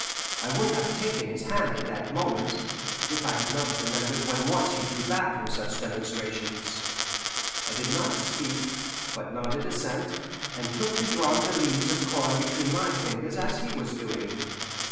I would have taken his hand that moment, if I had not remembered when once he drew back from such demonstrations. I did not speak, but nodded assent, and took to drawing the leaves of corn between my fingers as he was doing.